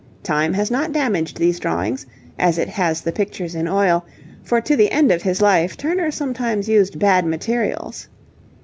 Time has not damaged these drawings, as it has the pictures in oil, for to the end of his life Turner sometimes used bad materials.